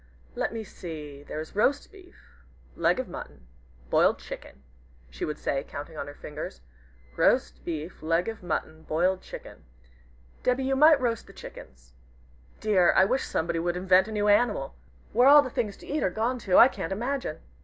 "Let me see there is roast beef leg of mutton boiled chicken," she would say, counting on her fingers, "roast beef leg of mutton boiled chicken. Debby, you might roast the chickens. Dear! I wish somebody would invent a new animal! Where all the things to eat are gone to, I can't imagine!"